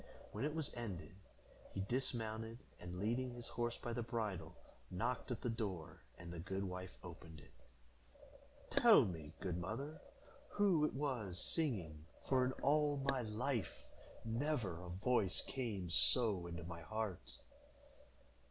When it was ended, he dismounted, and, leading his horse by the bridle, knocked at the door, and the good wife opened it. "Tell me, good mother, who it was singing, for, in all my life, never a voice came so into my heart."